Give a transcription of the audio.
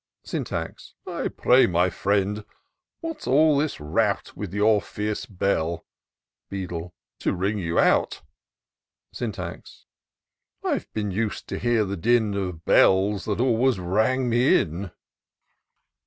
Syntax. " I pray, my friend, what's all this rout With your fierce bell ?" Beadle. " To ring you out." Syntax. " I have been used to hear the din Of bells that always rang me in."